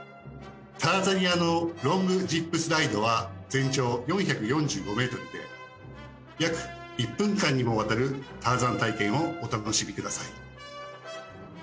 ターザニアのロングジップスライドは全長４４５ｍで約１分間にもわたるターザン体験をお楽しみください。